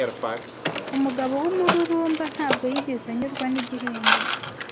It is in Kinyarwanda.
Umugabo wumururumba ntabwo yigeze anyurwa nigihembo.